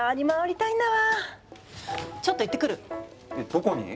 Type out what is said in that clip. どこに？